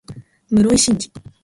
室井慎次